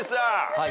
はい。